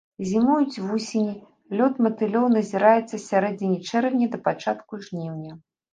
Зімуюць вусені, лёт матылёў назіраецца з сярэдзіны чэрвеня да пачатку жніўня.